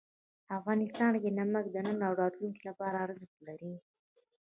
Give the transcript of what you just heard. افغانستان کې نمک د نن او راتلونکي لپاره ارزښت لري.